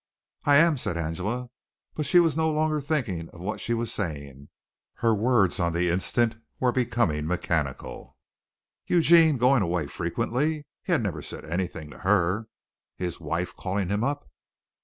"I am," said Angela; but she was no longer thinking of what she was saying, her words on the instant were becoming mechanical. Eugene going away frequently? He had never said anything to her! His wife calling him up!